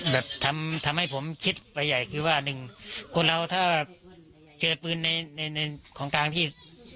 แบบทำให้ผมคิดไปใหญ่คือว่าหนึ่งคนเราถ้าเจอปืนในในของกลางที่